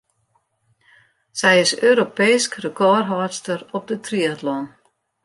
Sy is Europeesk rekôrhâldster op de triatlon.